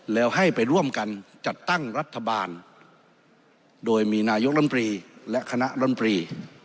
แล้วให้ไปร่วมกันจัดตั้งรัฐบาลโดยมีนายกรรมปรีและคณะลำปรี